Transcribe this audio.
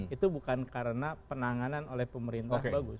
itu bukan karena penanganan oleh pemerintah bagus